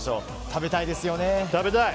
食べたいですよね。